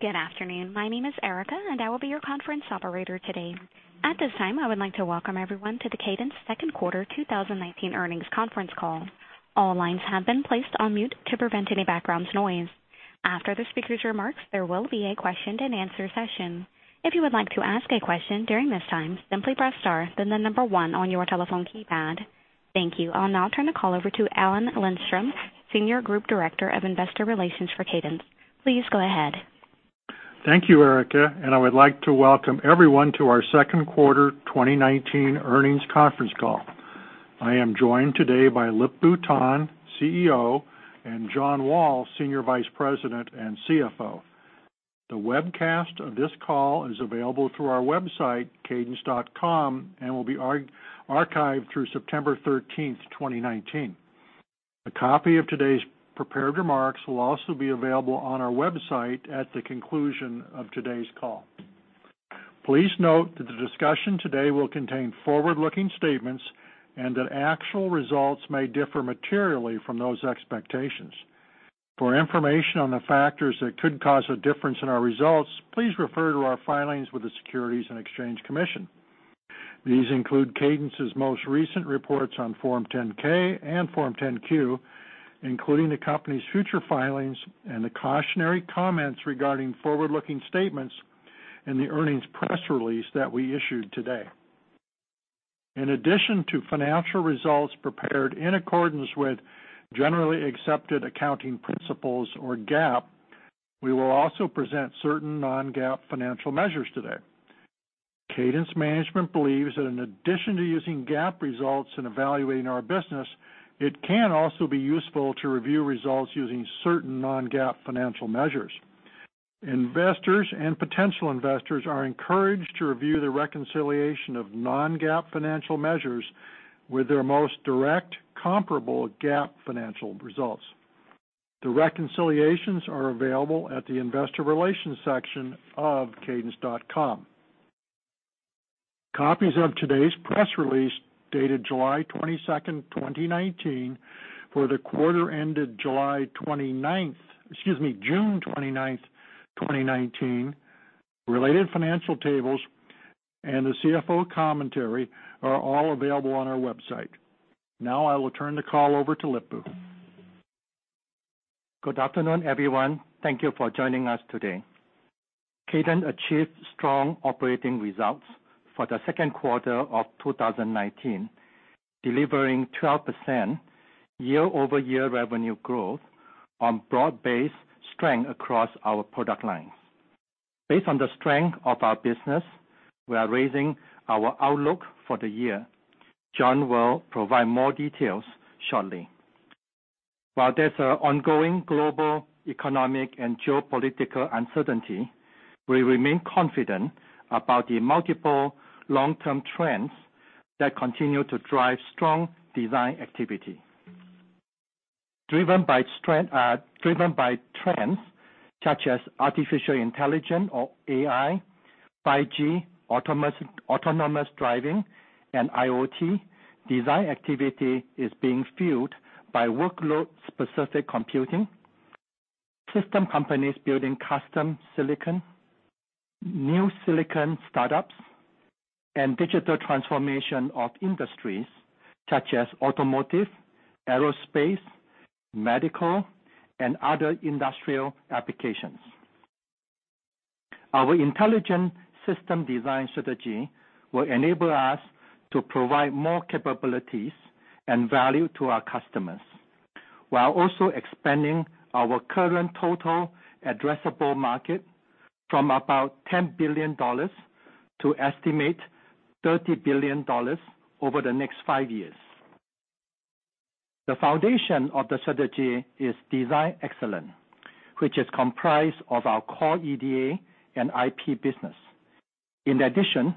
Good afternoon. My name is Erica, and I will be your conference operator today. At this time, I would like to welcome everyone to the Cadence second quarter 2019 earnings conference call. All lines have been placed on mute to prevent any background noise. After the speaker's remarks, there will be a question-and-answer session. If you would like to ask a question during this time, simply press star, then the number one on your telephone keypad. Thank you. I'll now turn the call over to Alan Lindstrom, Senior Group Director of Investor Relations for Cadence. Please go ahead. Thank you, Erica. I would like to welcome everyone to our second quarter 2019 earnings conference call. I am joined today by Lip-Bu Tan, CEO, and John Wall, Senior Vice President and CFO. The webcast of this call is available through our website, cadence.com, and will be archived through September 13th, 2019. A copy of today's prepared remarks will also be available on our website at the conclusion of today's call. Please note that the discussion today will contain forward-looking statements and that actual results may differ materially from those expectations. For information on the factors that could cause a difference in our results, please refer to our filings with the Securities and Exchange Commission. These include Cadence's most recent reports on Form 10-K and Form 10-Q, including the company's future filings and the cautionary comments regarding forward-looking statements in the earnings press release that we issued today. In addition to financial results prepared in accordance with generally accepted accounting principles or GAAP, we will also present certain non-GAAP financial measures today. Cadence management believes that in addition to using GAAP results in evaluating our business, it can also be useful to review results using certain non-GAAP financial measures. Investors and potential investors are encouraged to review the reconciliation of non-GAAP financial measures with their most direct comparable GAAP financial results. The reconciliations are available at the Investor Relations section of cadence.com. Copies of today's press release, dated July 22nd, 2019, for the quarter ended June 29th, 2019, related financial tables, and the CFO commentary are all available on our website. I will turn the call over to Lip-Bu. Good afternoon, everyone. Thank you for joining us today. Cadence achieved strong operating results for the second quarter of 2019, delivering 12% year-over-year revenue growth on broad-based strength across our product lines. Based on the strength of our business, we are raising our outlook for the year. John will provide more details shortly. While there's ongoing global economic and geopolitical uncertainty, we remain confident about the multiple long-term trends that continue to drive strong design activity. Driven by trends such as artificial intelligence or AI, 5G, autonomous driving, and IoT, design activity is being fueled by workload-specific computing, system companies building custom silicon, new silicon startups, and digital transformation of industries such as automotive, aerospace, medical, and other industrial applications. Our Intelligent System Design strategy will enable us to provide more capabilities and value to our customers while also expanding our current total addressable market from about $10 billion to estimate $30 billion over the next five years. The foundation of the strategy is design excellence, which is comprised of our core EDA and IP business. In addition,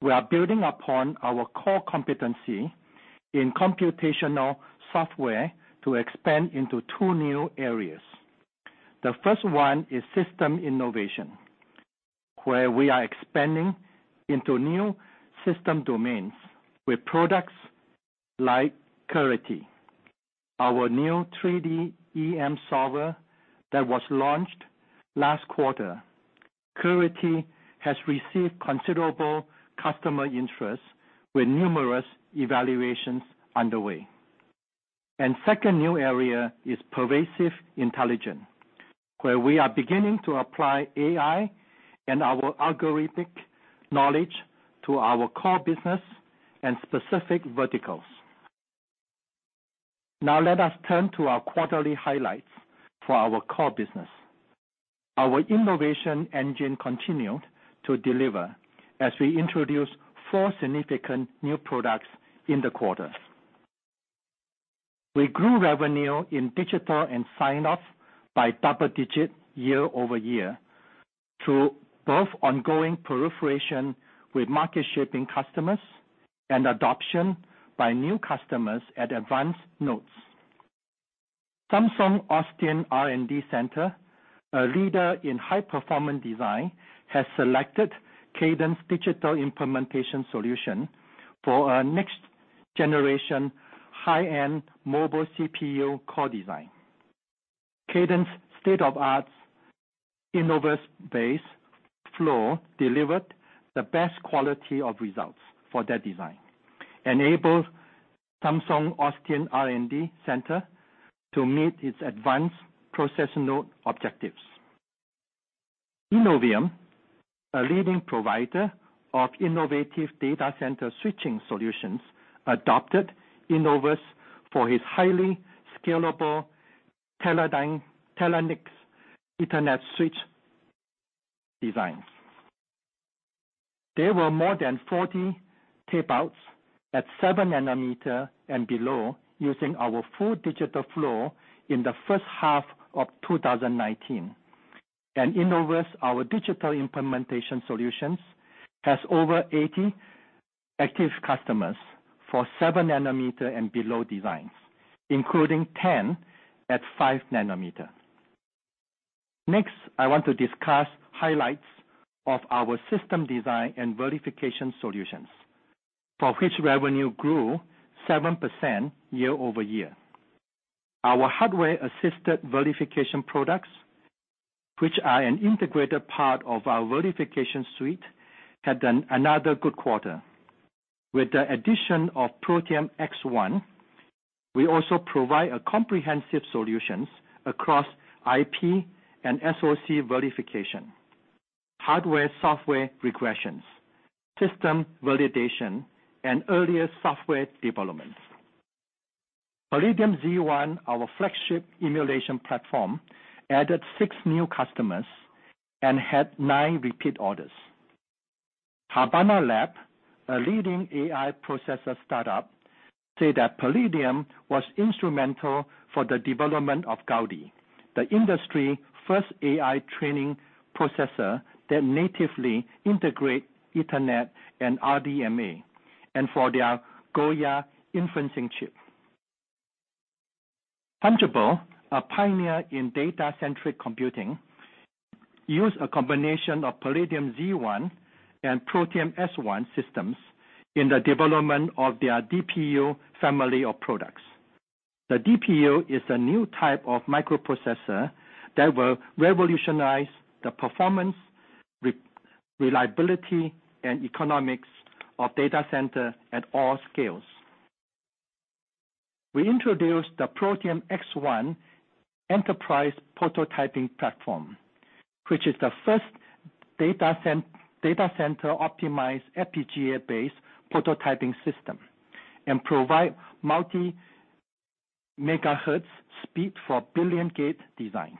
we are building upon our core competency in computational software to expand into two new areas. The first one is System Innovation, where we are expanding into new system domains with products like Clarity, our new 3D EM solver that was launched last quarter. Clarity has received considerable customer interest with numerous evaluations underway. Second new area is Pervasive Intelligence, where we are beginning to apply AI and our algorithmic knowledge to our core business and specific verticals. Now let us turn to our quarterly highlights for our core business. Our innovation engine continued to deliver as we introduced four significant new products in the quarter. We grew revenue in digital and sign-off by double-digit year-over-year through both ongoing proliferation with market-shaping customers and adoption by new customers at advanced nodes. Samsung Austin R&D Center, a leader in high-performance design, has selected Cadence digital implementation solution for a next-generation high-end mobile CPU core design. Cadence state-of-the-art Innovus-based flow delivered the best quality of results for that design, enabled Samsung Austin R&D Center to meet its advanced process node objectives. Innovium, a leading provider of innovative data center switching solutions, adopted Innovus for its highly scalable TERALYNX Ethernet switch designs. There were more than 40 tape-outs at 7 nm and below using our full digital flow in the first half of 2019. Innovus, our digital implementation solutions, has over 80 active customers for 7 nm and below designs, including 10 at 5 nm. Next, I want to discuss highlights of our system design and verification solutions, for which revenue grew 7% year-over-year. Our hardware-assisted verification products, which are an integrated part of our verification suite, had another good quarter. With the addition of Protium X1, we also provide a comprehensive solutions across IP and SoC verification, hardware/software regressions, system validation, and earlier software development. Palladium Z1, our flagship emulation platform, added six new customers and had nine repeat orders. Habana Labs, a leading AI processor startup, said that Palladium was instrumental for the development of Gaudi, the industry first AI training processor that natively integrate Ethernet and RDMA, and for their Goya inferencing chip. Fungible, a pioneer in data-centric computing, use a combination of Palladium Z1 and Protium S1 systems in the development of their DPU family of products. The DPU is a new type of microprocessor that will revolutionize the performance, reliability, and economics of data center at all scales. We introduced the Protium X1 Enterprise Prototyping Platform, which is the first data center-optimized FPGA-based prototyping system, and provide multi-megahertz speed for billion-gate designs,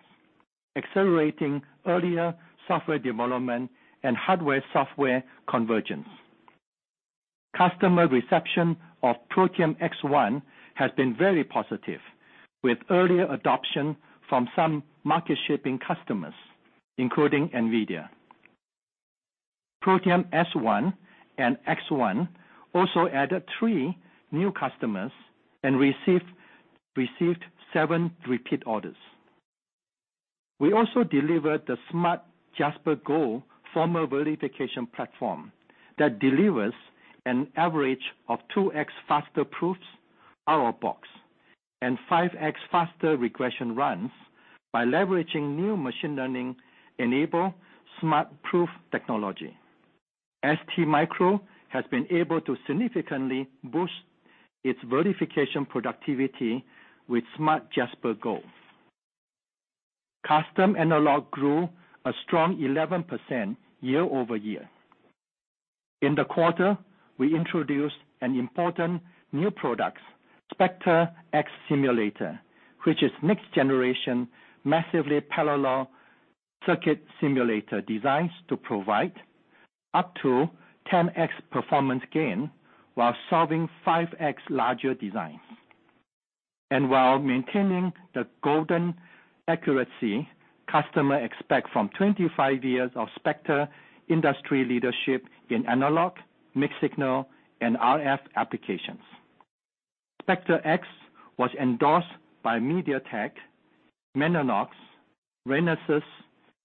accelerating earlier software development and hardware/software convergence. Customer reception of Protium X1 has been very positive, with early adoption from some market-shaping customers, including NVIDIA. Protium S1 and X1 also added three new customers and received seven repeat orders. We also delivered the smart JasperGold Formal Verification Platform that delivers an average of 2x faster proofs out-of-box and 5x faster regression runs by leveraging new machine learning-enabled smart proof technology. STMicro has been able to significantly boost its verification productivity with smart JasperGold. Custom/Analog grew a strong 11% year-over-year. In the quarter, we introduced an important new products, Spectre X Simulator, which is next-generation massively parallel circuit simulator designs to provide up to 10x performance gain while solving 5x larger designs. While maintaining the golden accuracy customer expect from 25 years of Spectre industry leadership in analog, mixed-signal, and RF applications. Spectre X was endorsed by MediaTek, Mellanox, Renesas,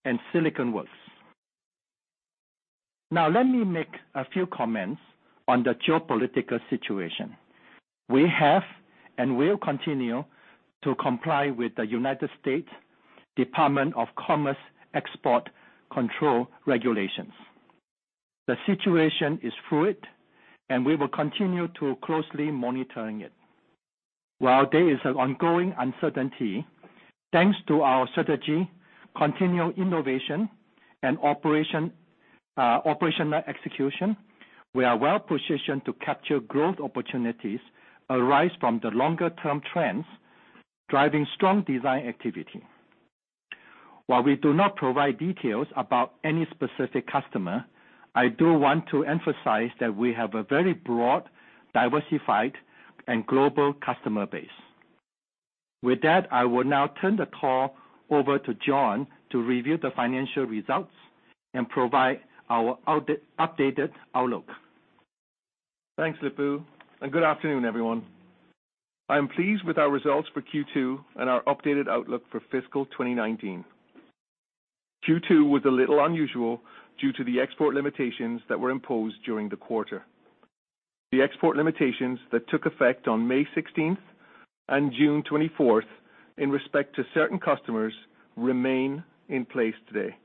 and Silicon Works. Now, let me make a few comments on the geopolitical situation. We have and will continue to comply with the United States Department of Commerce export control regulations. The situation is fluid, and we will continue to closely monitoring it. While there is an ongoing uncertainty, thanks to our strategy, continued innovation, and operational execution, we are well positioned to capture growth opportunities arise from the longer-term trends driving strong design activity. While we do not provide details about any specific customer, I do want to emphasize that we have a very broad, diversified, and global customer base. With that, I will now turn the call over to John to review the financial results and provide our updated outlook. Thanks, Lip-Bu, and good afternoon, everyone. I am pleased with our results for Q2 and our updated outlook for fiscal 2019. Q2 was a little unusual due to the export limitations that were imposed during the quarter. The export limitations that took effect on May 16th and June 24th, in respect to certain customers, remain in place today.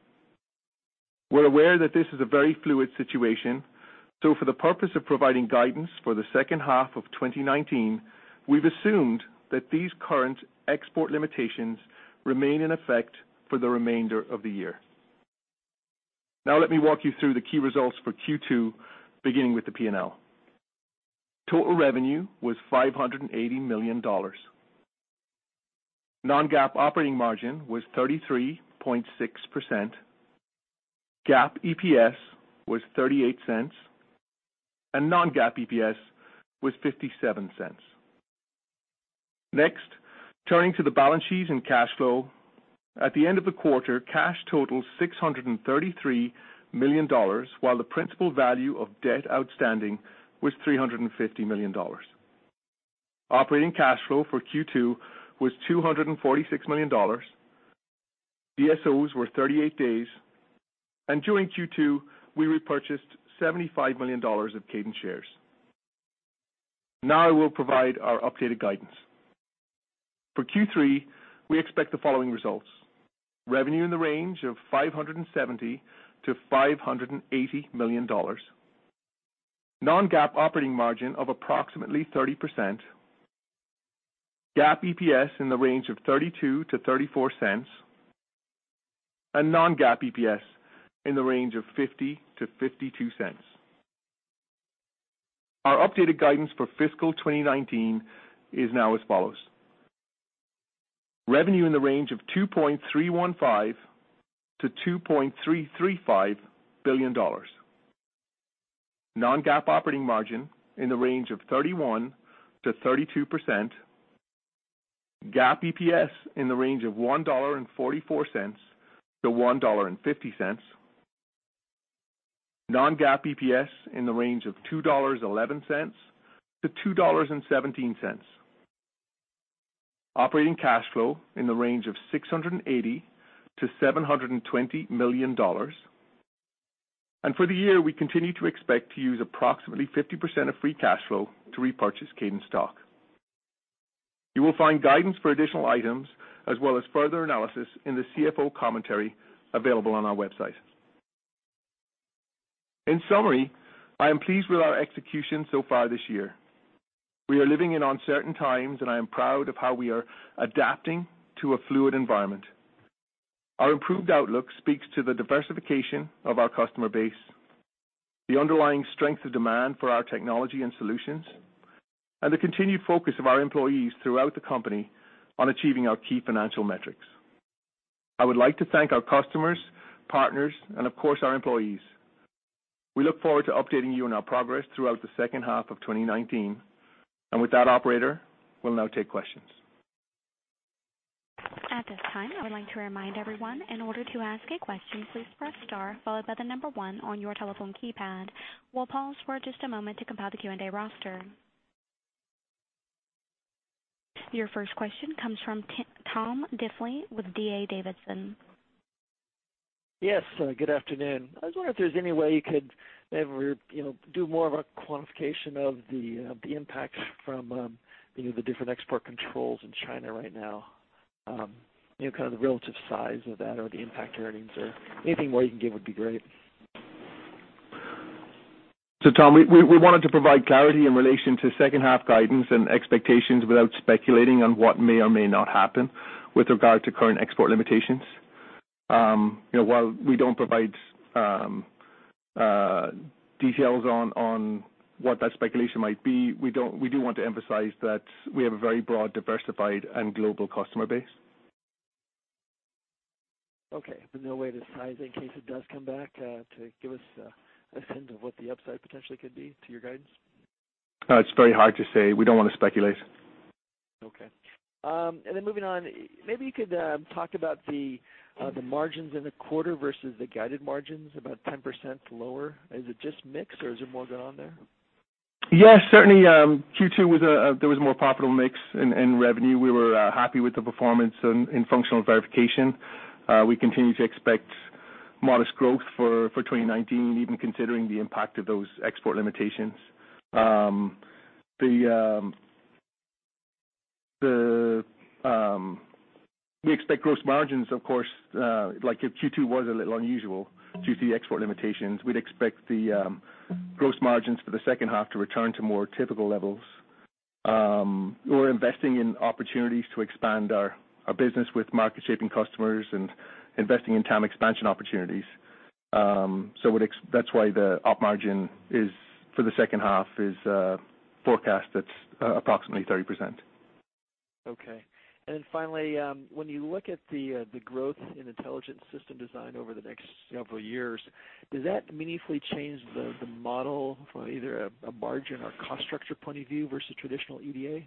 We're aware that this is a very fluid situation, so for the purpose of providing guidance for the second half of 2019, we've assumed that these current export limitations remain in effect for the remainder of the year. Let me walk you through the key results for Q2, beginning with the P&L. Total revenue was $580 million. non-GAAP operating margin was 33.6%. GAAP EPS was $0.38, and non-GAAP EPS was $0.57. Next, turning to the balance sheet and cash flow. At the end of the quarter, cash totaled $633 million, while the principal value of debt outstanding was $350 million. Operating cash flow for Q2 was $246 million. DSOs were 38 days, and during Q2, we repurchased $75 million of Cadence shares. Now I will provide our updated guidance. For Q3, we expect the following results. Revenue in the range of $570 million-$580 million. Non-GAAP operating margin of approximately 30%. GAAP EPS in the range of $0.32-$0.34, and non-GAAP EPS in the range of $0.50-$0.52. Our updated guidance for fiscal 2019 is now as follows. Revenue in the range of $2.315 billion-$2.335 billion. Non-GAAP operating margin in the range of 31%-32%. GAAP EPS in the range of $1.44-$1.50. Non-GAAP EPS in the range of $2.11-$2.17. Operating cash flow in the range of $680 million-$720 million. For the year, we continue to expect to use approximately 50% of free cash flow to repurchase Cadence stock. You will find guidance for additional items as well as further analysis in the CFO commentary available on our website. In summary, I am pleased with our execution so far this year. We are living in uncertain times, and I am proud of how we are adapting to a fluid environment. Our improved outlook speaks to the diversification of our customer base, the underlying strength of demand for our technology and solutions, and the continued focus of our employees throughout the company on achieving our key financial metrics. I would like to thank our customers, partners, and of course, our employees. We look forward to updating you on our progress throughout the second half of 2019. With that, operator, we'll now take questions. At this time, I would like to remind everyone, in order to ask a question, please press star followed by the number one on your telephone keypad. We'll pause for just a moment to compile the Q&A roster. Your first question comes from Tom Diffely with D.A. Davidson. Yes. Good afternoon. I was wondering if there's any way you could maybe do more of a quantification of the impact from the different export controls in China right now, kind of the relative size of that or the impact to earnings, or anything more you can give would be great. Tom, we wanted to provide clarity in relation to second half guidance and expectations without speculating on what may or may not happen with regard to current export limitations. While we don't provide details on what that speculation might be, we do want to emphasize that we have a very broad, diversified, and global customer base. Okay, no way to size it in case it does come back, to give us a sense of what the upside potentially could be to your guidance? It's very hard to say. We don't want to speculate. Okay. Moving on, maybe you could talk about the margins in the quarter versus the guided margins, about 10% lower. Is it just mix or is there more going on there? Yeah, certainly, Q2, there was a more profitable mix in revenue. We were happy with the performance in functional verification. We continue to expect modest growth for 2019, even considering the impact of those export limitations. We expect gross margins, of course, like if Q2 was a little unusual due to the export limitations, we'd expect the gross margins for the second half to return to more typical levels. We're investing in opportunities to expand our business with market-shaping customers and investing in TAM expansion opportunities. That's why the op margin for the second half is forecast at approximately 30%. Okay. Finally, when you look at the growth in Intelligent System Design over the next several years, does that meaningfully change the model from either a margin or cost structure point of view versus traditional EDA?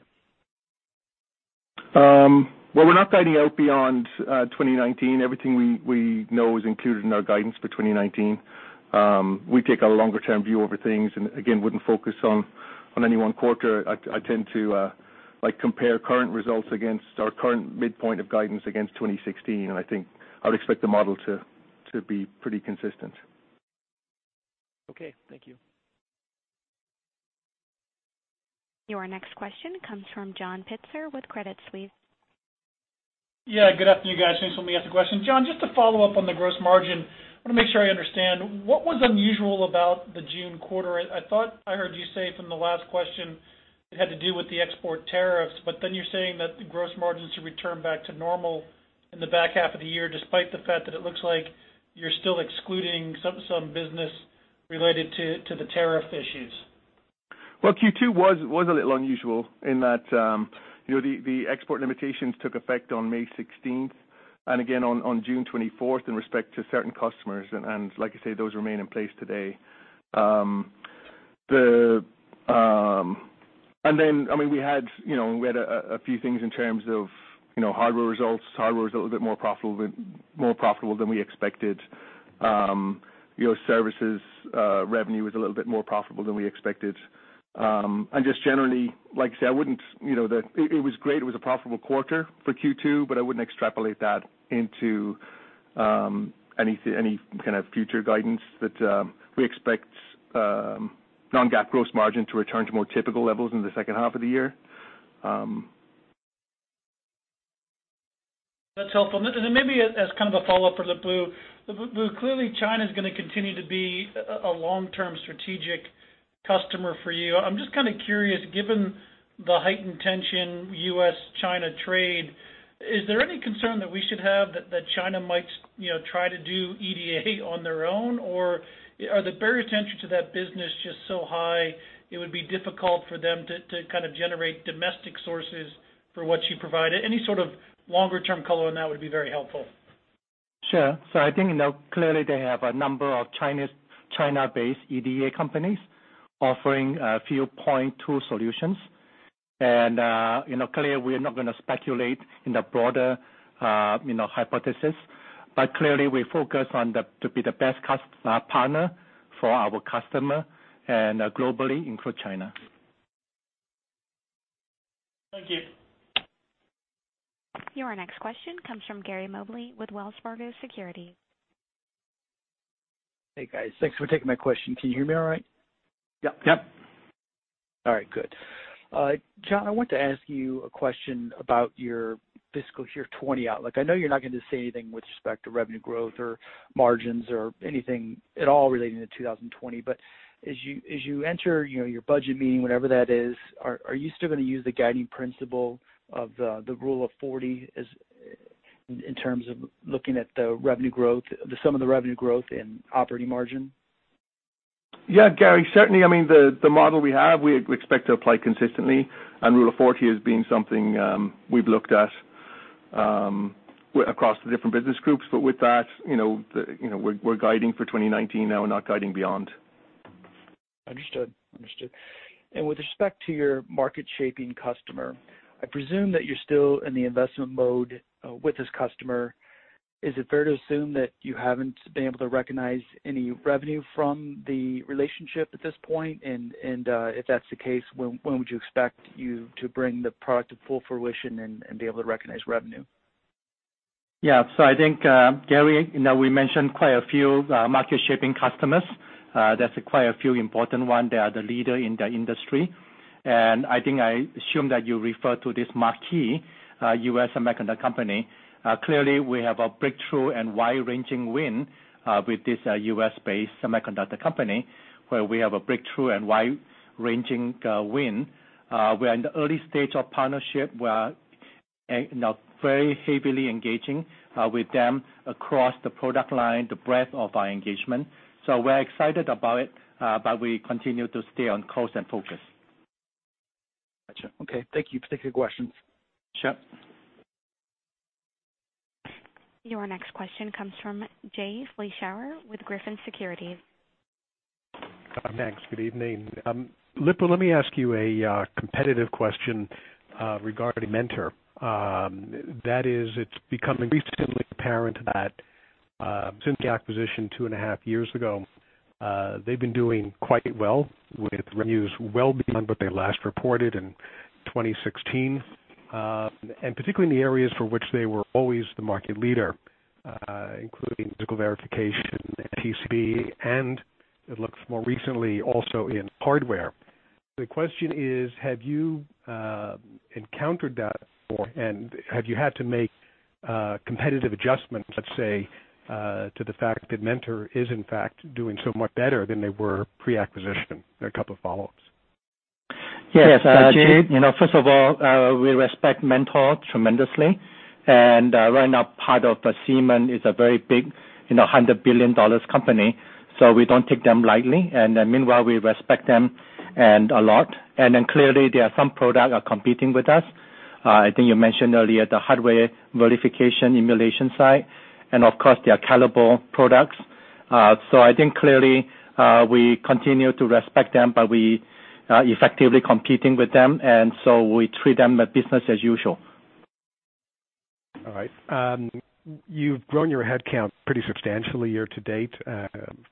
Well, we're not guiding out beyond 2019. Everything we know is included in our guidance for 2019. We take a longer-term view over things, again, wouldn't focus on any one quarter. I tend to compare current results against our current midpoint of guidance against 2016, I think I would expect the model to be pretty consistent. Okay. Thank you. Your next question comes from John Pitzer with Credit Suisse. Good afternoon, guys. Thanks for letting me ask a question. John, just to follow up on the gross margin, I want to make sure I understand. What was unusual about the June quarter? I thought I heard you say from the last question it had to do with the export tariffs, you're saying that the gross margins should return back to normal in the back half of the year, despite the fact that it looks like you're still excluding some business related to the tariff issues. Well, Q2 was a little unusual in that the export limitations took effect on May 16th and again on June 24th in respect to certain customers. Like I say, those remain in place today. We had a few things in terms of hardware results. Hardware was a little bit more profitable than we expected. Services revenue was a little bit more profitable than we expected. Just generally, like I say, it was great. It was a profitable quarter for Q2, I wouldn't extrapolate that into any kind of future guidance that we expect non-GAAP gross margin to return to more typical levels in the second half of the year. That's helpful. Maybe as kind of a follow-up for Lip-Bu. Lip-Bu, clearly China's going to continue to be a long-term strategic customer for you. I'm just kind of curious, given the heightened tension U.S.-China trade, is there any concern that we should have that China might try to do EDA on their own? Are the barrier to entry to that business just so high it would be difficult for them to kind of generate domestic sources for what you provide? Any sort of longer-term color on that would be very helpful. Sure. I think now clearly they have a number of China-based EDA companies offering a few point tool solutions. Clearly, we are not going to speculate in the broader hypothesis, but clearly we focus to be the best partner for our customer and globally include China. Thank you. Your next question comes from Gary Mobley with Wells Fargo Securities. Hey, guys. Thanks for taking my question. Can you hear me all right? Yep. Yep. All right, good. John, I want to ask you a question about your fiscal year 2020 outlook. I know you're not going to say anything with respect to revenue growth or margins or anything at all relating to 2020, but as you enter your budget meeting, whenever that is, are you still going to use the guiding principle of the Rule of 40 in terms of looking at the sum of the revenue growth and operating margin? Yeah, Gary, certainly, the model we have, we expect to apply consistently. Rule of 40 has been something we've looked at across the different business groups. With that, we're guiding for 2019 now, we're not guiding beyond. Understood. With respect to your market-shaping customer, I presume that you're still in the investment mode with this customer. Is it fair to assume that you haven't been able to recognize any revenue from the relationship at this point? If that's the case, when would you expect you to bring the product to full fruition and be able to recognize revenue? Yeah. I think, Gary, we mentioned quite a few market-shaping customers. There's quite a few important ones. They are the leader in their industry. I think I assume that you refer to this marquee U.S. semiconductor company. Clearly, we have a breakthrough and wide-ranging win with this U.S.-based semiconductor company. We are in the early stage of partnership. We are now very heavily engaging with them across the product line, the breadth of our engagement. We're excited about it, but we continue to stay on course and focus. Got you. Okay. Thank you for taking the questions. Sure. Your next question comes from Jay Vleeschhouwer with Griffin Securities. Thanks. Good evening. Lip-Bu, let me ask you a competitive question regarding Mentor. That is, it's becoming recently apparent that since the acquisition two and a half years ago, they've been doing quite well with revenues well beyond what they last reported in 2016. Particularly in the areas for which they were always the market leader, including physical verification, and it looks more recently, also in hardware. The question is, have you encountered that before? Have you had to make competitive adjustments, let's say, to the fact that Mentor is in fact doing so much better than they were pre-acquisition? There are a couple of follow-ups. Yes. Jay, first of all, we respect Mentor tremendously, and right now part of Siemens is a very big, $100 billion company, so we don't take them lightly. Meanwhile, we respect them a lot. Clearly, there are some products are competing with us. I think you mentioned earlier the hardware verification emulation side, and of course, their Calibre products. I think clearly, we continue to respect them, but we effectively competing with them, and so we treat them like business as usual. All right. You've grown your headcount pretty substantially year-to-date,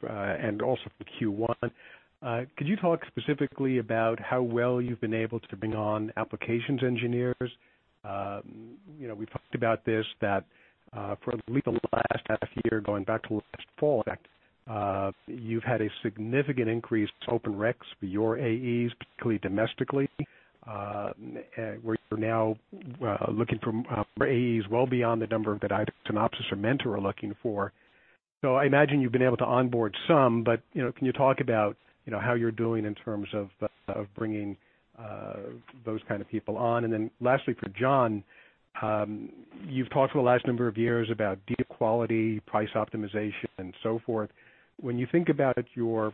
and also from Q1. Could you talk specifically about how well you've been able to bring on applications engineers? We've talked about this that for at least the last half-year, going back to last fall, in fact, you've had a significant increase to open recs for your AEs, particularly domestically, where you're now looking for AEs well beyond the number that either Synopsys or Mentor are looking for. I imagine you've been able to onboard some, but can you talk about how you're doing in terms of bringing those kind of people on? Lastly, for John, you've talked for the last number of years about data quality, price optimization, and so forth. When you think about your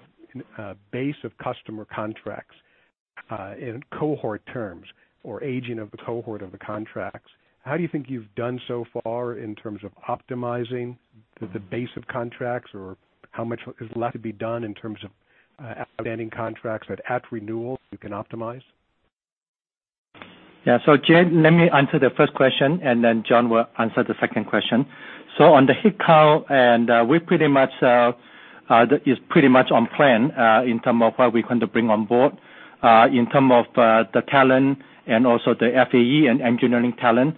base of customer contracts in cohort terms or aging of the cohort of the contracts, how do you think you've done so far in terms of optimizing the base of contracts or how much is left to be done in terms of outstanding contracts that at renewal you can optimize? Yeah. Jay, let me answer the first question, then John will answer the second question. On the head count, it's pretty much on plan in terms of what we want to bring on board. In terms of the talent and also the FAE and engineering talent,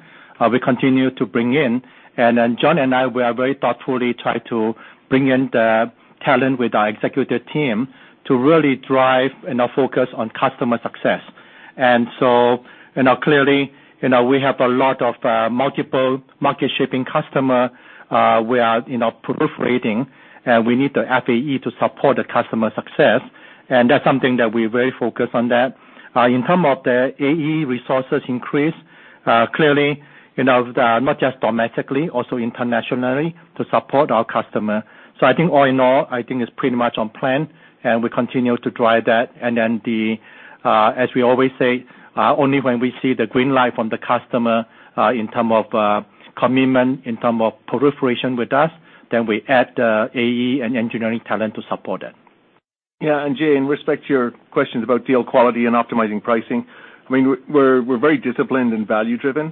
we continue to bring in. Then John and I, we are very thoughtfully trying to bring in the talent with our Executive team to really drive and focus on customer success. Clearly, we have a lot of multiple market-shaping customers. We are proliferating, we need the FAE to support the customer success, that's something that we're very focused on that. In terms of the AE resources increase, clearly, not just domestically, also internationally to support our customer. I think all in all, I think it's pretty much on plan, we continue to drive that. As we always say, only when we see the green light from the customer, in terms of commitment, in terms of proliferation with us, then we add the AE and engineering talent to support that. Yeah. Jay, in respect to your questions about deal quality and optimizing pricing, we're very disciplined and value driven,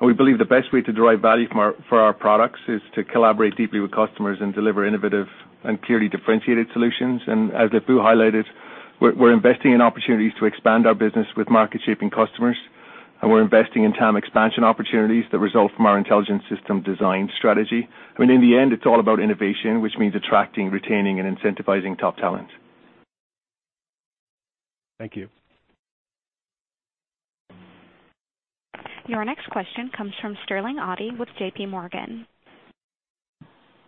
and we believe the best way to derive value for our products is to collaborate deeply with customers and deliver innovative and clearly differentiated solutions. As Lip-Bu highlighted, we're investing in opportunities to expand our business with market-shaping customers, and we're investing in TAM expansion opportunities that result from our Intelligent System Design strategy. In the end, it's all about innovation, which means attracting, retaining, and incentivizing top talent. Thank you. Your next question comes from Sterling Auty with JPMorgan.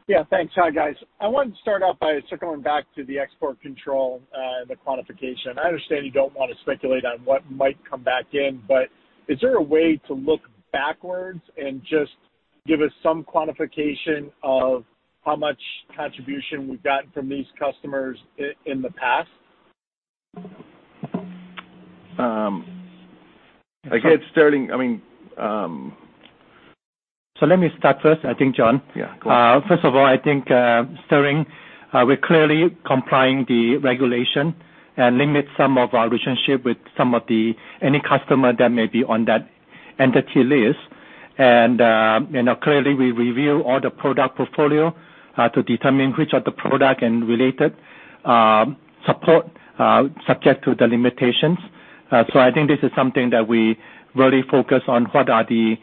Yeah, thanks. Hi, guys. I wanted to start off by circling back to the export control and the quantification. I understand you don't want to speculate on what might come back in, but is there a way to look backwards and just give us some quantification of how much contribution we've gotten from these customers in the past? Sterling, I mean. Let me start first, I think, John. Yeah, cool. I think, Sterling, we're clearly complying the regulation and limit some of our relationship with any customer that may be on that entity list. Clearly, we review all the product portfolio to determine which of the product and related support subject to the limitations. I think this is something that we really focus on what are the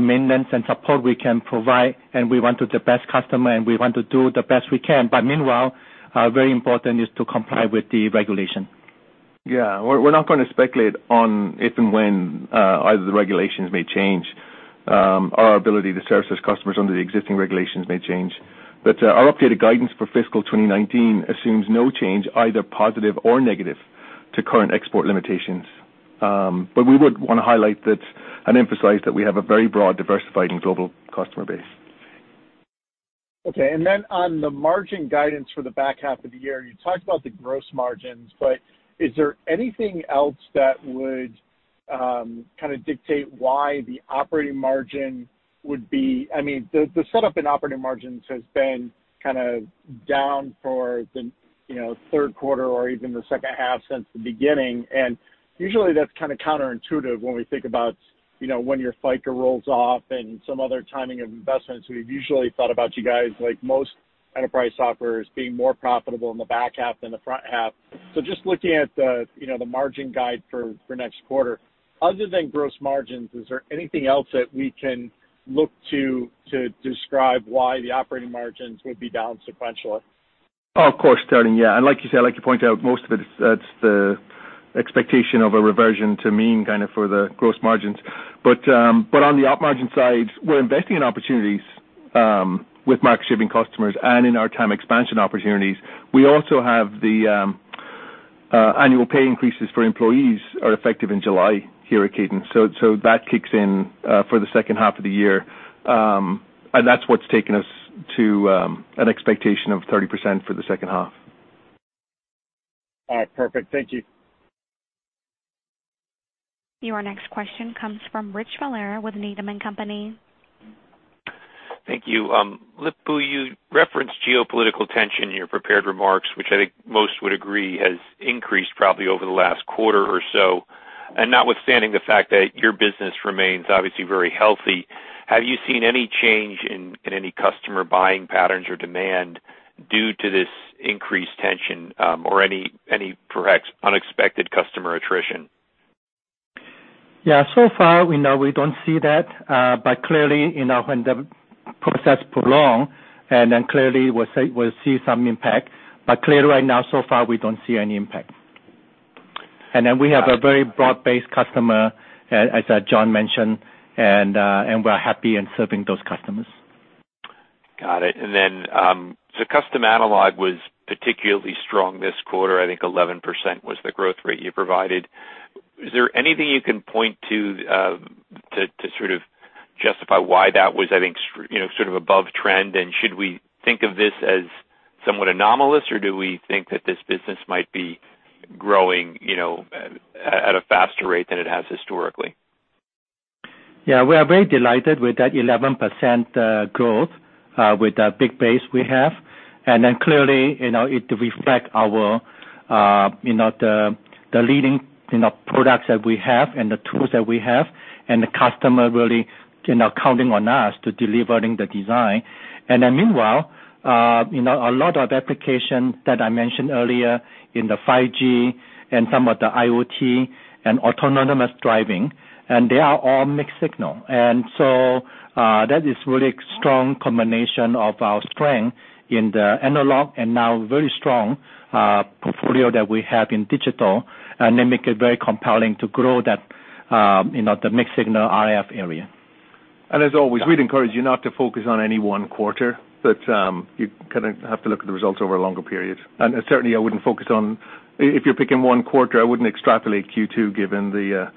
maintenance and support we can provide, and we want the best customer, and we want to do the best we can. Meanwhile, very important is to comply with the regulation. We're not going to speculate on if and when either the regulations may change, our ability to service those customers under the existing regulations may change. Our updated guidance for fiscal 2019 assumes no change, either positive or negative, to current export limitations. We would want to highlight and emphasize that we have a very broad, diversified, and global customer base. Okay. On the margin guidance for the back half of the year, you talked about the gross margins, but is there anything else that would kind of dictate why the operating margin? The setup in operating margins has been kind of down for the third quarter or even the second half since the beginning, and usually that's kind of counterintuitive when we think about when your FICA rolls off and some other timing of investments. We've usually thought about you guys like most enterprise software being more profitable in the back half than the front half. Just looking at the margin guide for next quarter, other than gross margins, is there anything else that we can look to describe why the operating margins would be down sequentially? Of course, Sterling. Yeah. Like you say, like you point out, most of it, that's the expectation of a reversion to mean for the gross margins. On the op margin side, we're investing in opportunities with market-shaping customers and in our TAM expansion opportunities. We also have the annual pay increases for employees are effective in July here at Cadence. That kicks in for the second half of the year. That's what's taken us to an expectation of 30% for the second half. All right. Perfect. Thank you. Your next question comes from Rich Valera with Needham & Company. Thank you. Lip-Bu, you referenced geopolitical tension in your prepared remarks, which I think most would agree has increased probably over the last quarter or so. Notwithstanding the fact that your business remains obviously very healthy, have you seen any change in any customer buying patterns or demand due to this increased tension? Or any perhaps unexpected customer attrition? So far, we don't see that, but clearly, when the process prolong, and then clearly we'll see some impact. Clearly right now, so far, we don't see any impact. We have a very broad-based customer, as John mentioned, and we're happy in serving those customers. Got it. Custom/Analog was particularly strong this quarter. I think 11% was the growth rate you provided. Is there anything you can point to sort of justify why that was, I think, sort of above trend? Should we think of this as somewhat anomalous, or do we think that this business might be growing at a faster rate than it has historically? Yeah, we are very delighted with that 11% growth, with the big base we have. Clearly, it reflect the leading products that we have and the tools that we have and the customer really counting on us to delivering the design. Meanwhile, a lot of applications that I mentioned earlier in the 5G and some of the IoT and autonomous driving, and they are all mixed signal. That is really strong combination of our strength in the analog and now very strong portfolio that we have in digital, and they make it very compelling to grow the mixed signal RF area. As always, we'd encourage you not to focus on any one quarter, but you kind of have to look at the results over a longer period. Certainly I wouldn't focus on, if you're picking one quarter, I wouldn't extrapolate Q2 given the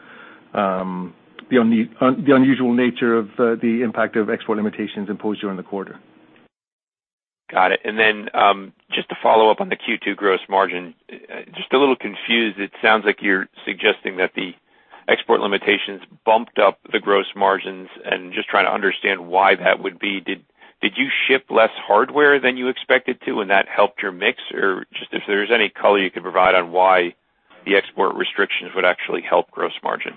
unusual nature of the impact of export limitations imposed during the quarter. Got it. Just to follow up on the Q2 gross margin. Just a little confused, it sounds like you're suggesting that the export limitations bumped up the gross margins, and just trying to understand why that would be. Did you ship less hardware than you expected to, and that helped your mix? Just if there's any color you could provide on why the export restrictions would actually help gross margin.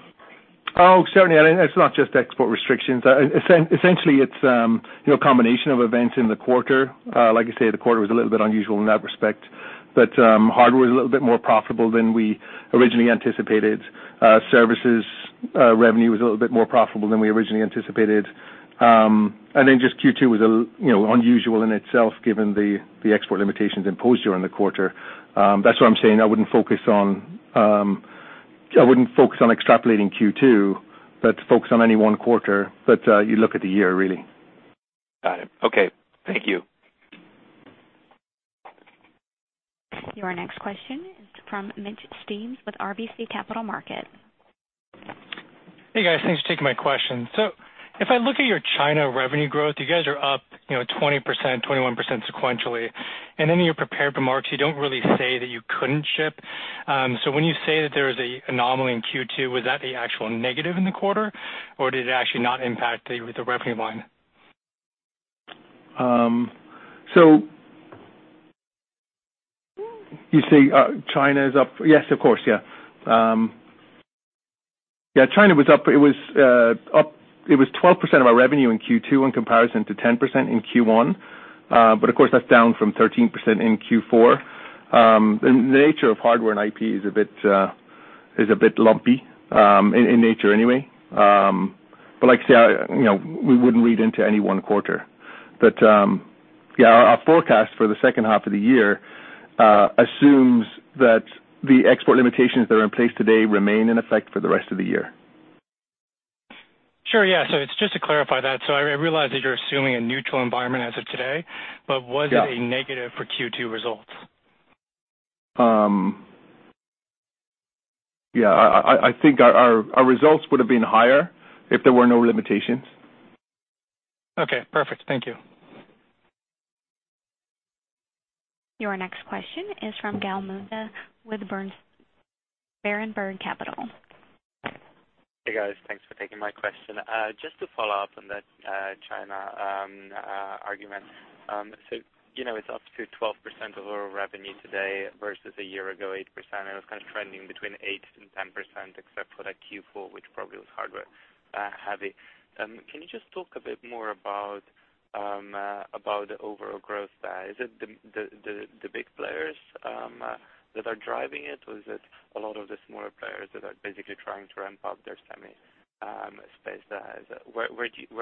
Oh, certainly. It's not just export restrictions. Essentially, it's a combination of events in the quarter. Like I say, the quarter was a little bit unusual in that respect, but hardware was a little bit more profitable than we originally anticipated. Services revenue was a little bit more profitable than we originally anticipated. Just Q2 was unusual in itself given the export limitations imposed during the quarter. That's why I'm saying I wouldn't focus on extrapolating Q2, but to focus on any one quarter. You look at the year, really. Got it. Okay. Thank you. Your next question is from Mitch Steves with RBC Capital Markets. Hey, guys. Thanks for taking my question. If I look at your China revenue growth, you guys are up 20%, 21% sequentially, and then in your prepared remarks, you don't really say that you couldn't ship. When you say that there is a anomaly in Q2, was that the actual negative in the quarter, or did it actually not impact the revenue line? You say China is up? Yes, of course. Yeah. China was up. It was 12% of our revenue in Q2 in comparison to 10% in Q1. Of course, that's down from 13% in Q4. The nature of hardware and IP is a bit lumpy in nature anyway. Like I say, we wouldn't read into any one quarter. Yeah, our forecast for the second half of the year assumes that the export limitations that are in place today remain in effect for the rest of the year. Sure. Yeah. It's just to clarify that. I realize that you're assuming a neutral environment as of today. Yeah. Was it a negative for Q2 results? Yeah, I think our results would have been higher if there were no limitations. Okay, perfect. Thank you. Your next question is from Gal Munda with Berenberg Capital. Hey, guys. Thanks for taking my question. Just to follow up on that China argument. It's up to 12% of our revenue today versus a year ago, 8%. It was kind of trending between 8% and 10%, except for that Q4, which probably was hardware heavy. Can you just talk a bit more about the overall growth there? Is it the big players that are driving it, or is it a lot of the smaller players that are basically trying to ramp up their semi space? Where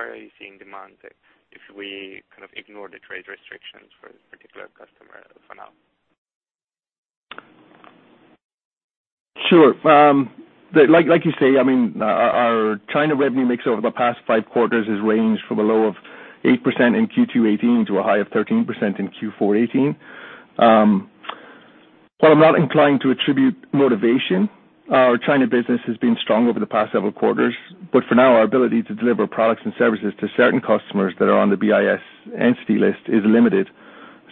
are you seeing demand if we kind of ignore the trade restrictions for this particular customer for now? Sure. Like you say, our China revenue mix over the past five quarters has ranged from a low of 8% in Q2 2018 to a high of 13% in Q4 2018. While I'm not inclined to attribute motivation, our China business has been strong over the past several quarters. For now, our ability to deliver products and services to certain customers that are on the BIS entity list is limited.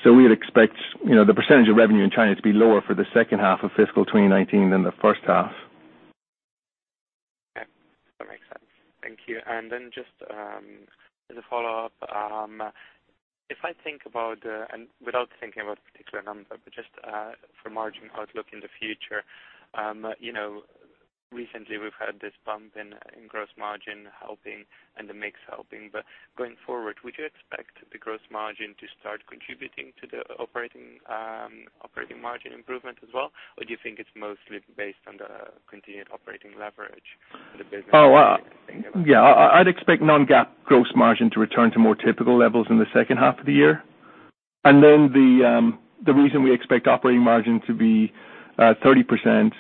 We'd expect the percentage of revenue in China to be lower for the second half of fiscal 2019 than the first half. Thank you. Just as a follow-up, if I think about, and without thinking about a particular number, but just for margin outlook in the future. Recently, we've had this bump in gross margin helping and the mix helping. Going forward, would you expect the gross margin to start contributing to the operating margin improvement as well? Do you think it's mostly based on the continued operating leverage of the business think about? Yeah. I'd expect non-GAAP gross margin to return to more typical levels in the second half of the year. The reason we expect operating margin to be 30%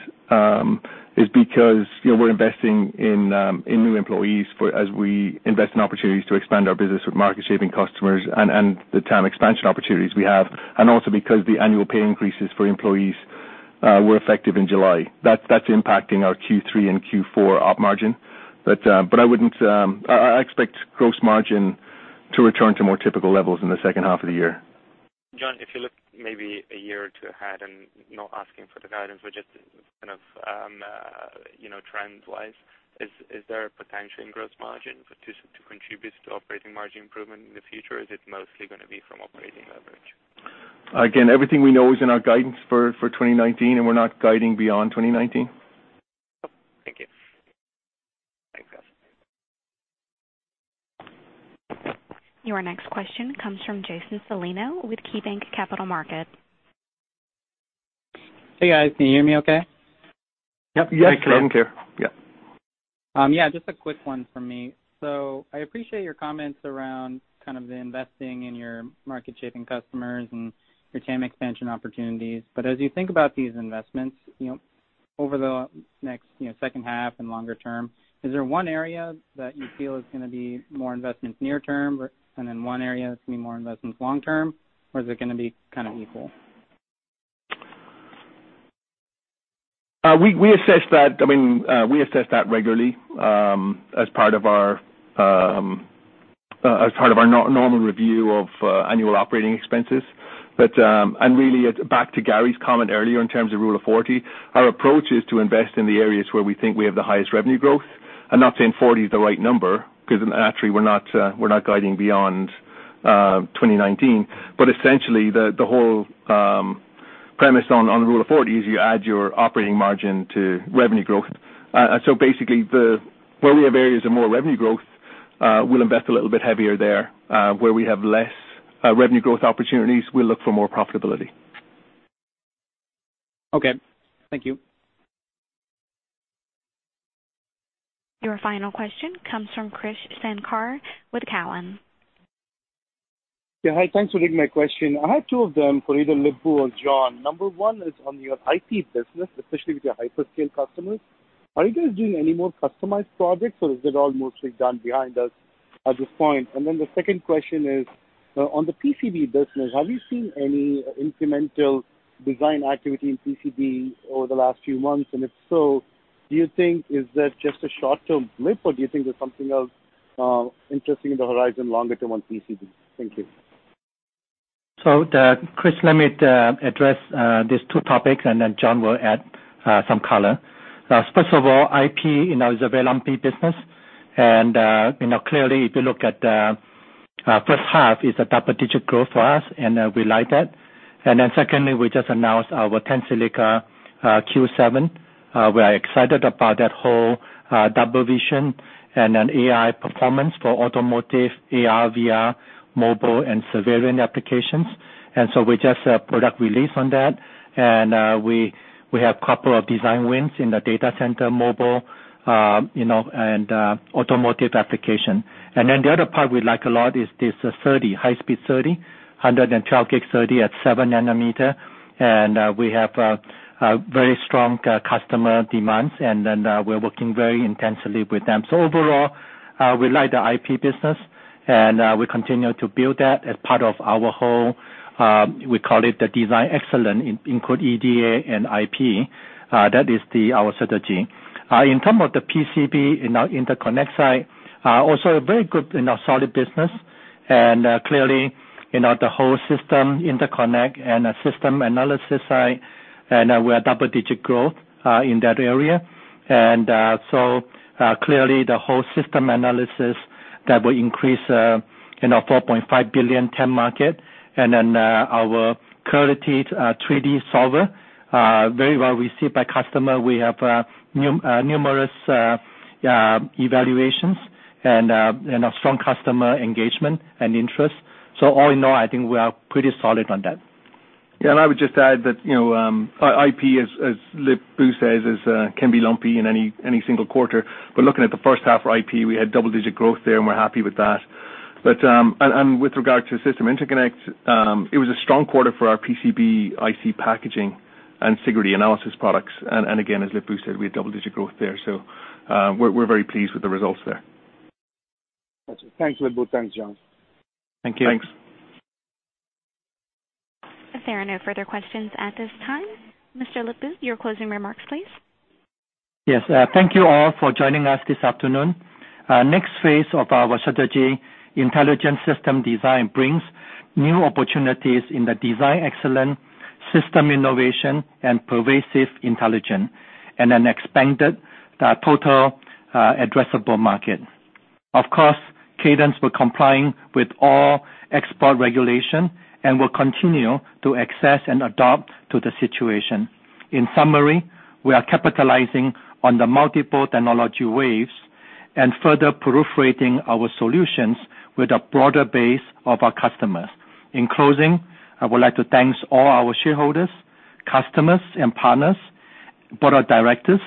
is because we're investing in new employees as we invest in opportunities to expand our business with market-shaping customers and the TAM expansion opportunities we have, and also because the annual pay increases for employees were effective in July. That's impacting our Q3 and Q4 op margin. I expect gross margin to return to more typical levels in the second half of the year. John, if you look maybe a year or two ahead, and not asking for the guidance, but just kind of trend-wise, is there a potential in gross margin to contribute to operating margin improvement in the future? Is it mostly going to be from operating leverage? Again, everything we know is in our guidance for 2019, and we're not guiding beyond 2019. Oh, thank you. Thanks, guys. Your next question comes from Jason Celino with KeyBanc Capital Markets. Hey, guys. Can you hear me okay? Yep. Yes, we can. Yes. Yeah, just a quick one from me. I appreciate your comments around kind of the investing in your market-shaping customers and your TAM expansion opportunities. As you think about these investments over the next second half and longer term, is there one area that you feel is going to be more investments near term and then one area that's going to be more investments long term? Is it going to be kind of equal? We assess that regularly as part of our normal review of annual operating expenses. Really, back to Gary's comment earlier in terms of Rule of 40, our approach is to invest in the areas where we think we have the highest revenue growth. I'm not saying 40 is the right number because naturally we're not guiding beyond 2019. Essentially, the whole premise on the Rule of 40 is you add your operating margin to revenue growth. Basically, where we have areas of more revenue growth, we'll invest a little bit heavier there. Where we have less revenue growth opportunities, we'll look for more profitability. Okay. Thank you. Your final question comes from Krish Sankar with Cowen. Yeah. Hi. Thanks for taking my question. I have two of them for either Lip-Bu or John. Number one is on your IP business, especially with your hyperscale customers. Are you guys doing any more customized projects, or is it all mostly done behind us at this point? The second question is on the PCB business, have you seen any incremental design activity in PCB over the last few months? If so, do you think is that just a short-term blip or do you think there's something else interesting in the horizon longer term on PCB? Thank you. Krish, let me address these two topics and then John will add some color. First of all, IP is a very lumpy business and clearly if you look at the first half, it's a double-digit growth for us and we like that. Secondly, we just announced our Tensilica Q7. We are excited about that whole double vision and AI performance for automotive, AR/VR, mobile and surveillance applications. We just product release on that and we have couple of design wins in the data center mobile and automotive application. The other part we like a lot is this SerDes, high-speed SerDes, 112G SerDes at 7 nm and we have very strong customer demands and then we're working very intensely with them. Overall, we like the IP business and we continue to build that as part of our whole, we call it the design excellence include EDA and IP. That is our strategy. In terms of the PCB interconnect side, also a very good solid business. Clearly, the whole system interconnect and system analysis side, we're double-digit growth in that area. Clearly the whole system analysis that will increase $4.5 billion TAM market and then our current 3D solver very well received by customers. We have numerous evaluations and strong customer engagement and interest. All in all, I think we are pretty solid on that. Yeah, and I would just add that IP, as Lip-Bu says, can be lumpy in any single quarter, but looking at the first half for IP, we had double-digit growth there and we're happy with that. With regard to system interconnect, it was a strong quarter for our PCB, IC packaging and integrity analysis products. Again, as Lip-Bu said, we had double-digit growth there, so we're very pleased with the results there. Got you. Thanks, Lip-Bu. Thanks, John. Thank you. Thanks. There are no further questions at this time. Mr. Lip-Bu, your closing remarks, please. Yes. Thank you all for joining us this afternoon. Next phase of our strategy, Intelligent System Design brings new opportunities in the design excellence, system innovation and pervasive intelligence and an expanded total addressable market. Of course, Cadence will complying with all export regulation and will continue to assess and adapt to the situation. In summary, we are capitalizing on the multiple technology waves and further proliferating our solutions with a broader base of our customers. In closing, I would like to thanks all our shareholders, customers and partners, Board of Directors,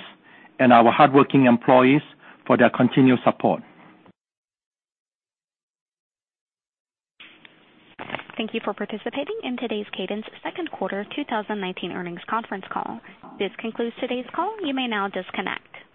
and our hardworking employees for their continued support. Thank you for participating in today's Cadence second quarter 2019 earnings conference call. This concludes today's call. You may now disconnect.